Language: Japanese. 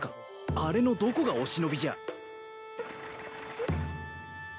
あれのどこがおしのびじゃ。